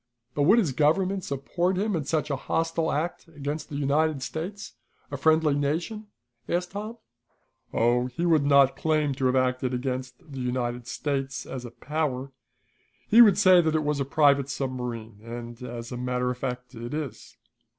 "But would his government support him in such a hostile act against the United States, a friendly nation?" asked Tom. "Oh, he would not claim to have acted against the United States as a power. He would say that it was a private submarine, and, as a matter of fact, it is.